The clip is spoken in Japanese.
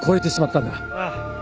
ああ。